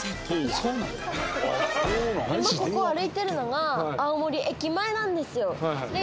今ここ歩いてるのが青森駅前なんですよで